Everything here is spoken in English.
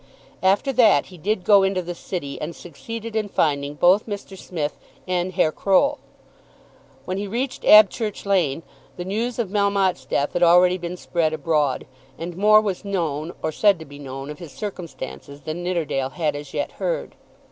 After that he did go into the City, and succeeded in finding both Mr. Smith and Herr Croll. When he reached Abchurch Lane, the news of Melmotte's death had already been spread abroad; and more was known, or said to be known, of his circumstances than Nidderdale had as yet heard.